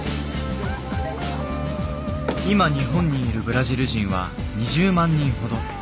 今日本にいるブラジル人は２０万人ほど。